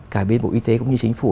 cả bên bộ y tế cũng như chính phủ